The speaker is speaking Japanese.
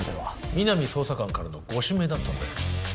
皆実捜査官からのご指名だったんだよ